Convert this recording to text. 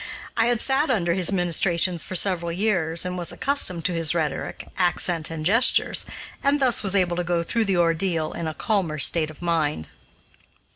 I had sat under his ministrations for several years, and was accustomed to his rhetoric, accent, and gestures, and thus was able to go through the ordeal in a calmer state of mind.